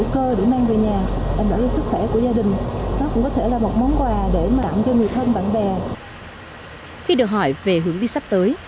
khi được hỏi về hướng đi sắp tới